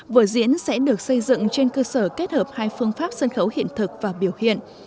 vở diễn sẽ được xây dựng trên cơ sở kết hợp hai phương pháp sân khấu hiện thực và biểu hiện